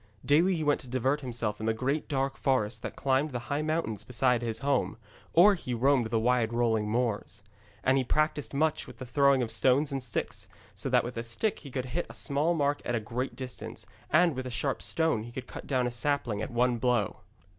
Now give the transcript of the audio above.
Daily he went to divert himself in the great dark forest that climbed the high mountains beside his home, or he roamed the wide rolling moors. And he practised much with the throwing of stones and sticks, so that with a stick he could hit a small mark at a great distance, and with a sharp stone he could cut down a sapling at one blow.